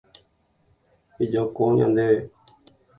Ejoko ñandéve.